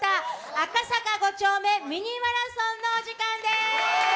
「赤坂５丁目ミニマラソン」のお時間です。